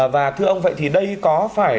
và thưa ông vậy thì đây có phải